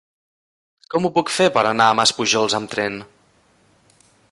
Com ho puc fer per anar a Maspujols amb tren?